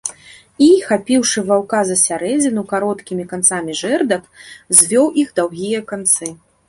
І, хапіўшы ваўка за сярэдзіну кароткімі канцамі жэрдак, звёў іх даўгія канцы.